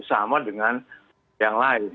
sama dengan yang lain